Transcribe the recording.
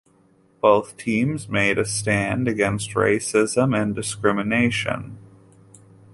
Both teams made a stand against racism and discrimination.